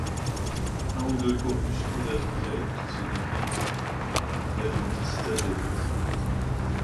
Un ou deux corps musculaires grêles qui se dirigent vers en distal et ventral.